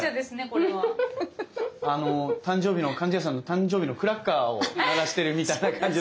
貫地谷さんの誕生日のクラッカーを鳴らしてるみたいな感じ。